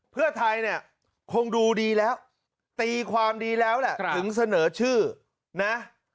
เพื่อไทยเนี่ยคงดูดีแล้วตีความดีแล้วแหละถึงเสนอชื่อนะ